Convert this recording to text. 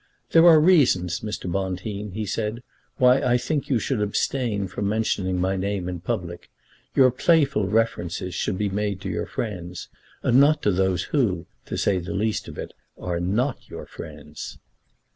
"There are reasons, Mr. Bonteen," he said, "why I think you should abstain from mentioning my name in public. Your playful references should be made to your friends, and not to those who, to say the least of it, are not your friends."